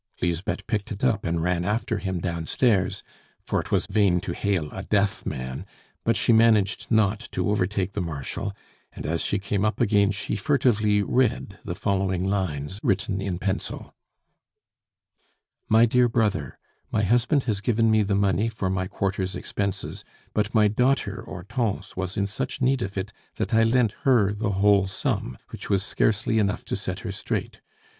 Lisbeth picked it up and ran after him downstairs, for it was vain to hail a deaf man; but she managed not to overtake the Marshal, and as she came up again she furtively read the following lines written in pencil: "MY DEAR BROTHER, My husband has given me the money for my quarter's expenses; but my daughter Hortense was in such need of it, that I lent her the whole sum, which was scarcely enough to set her straight.